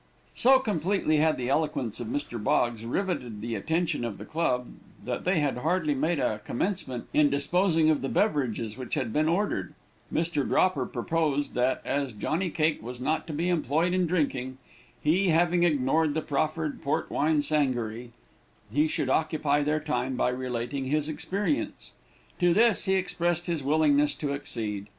So completely had the eloquence of Mr. Boggs riveted the attention of the club, that they had hardly made a commencement in disposing of the beverages which had been ordered; Mr. Dropper proposed that, as Johnny Cake was not to be employed in drinking, he having ignored the proffered port wine sangaree, he should occupy their time by relating his experience. To this he expressed his willingness to accede.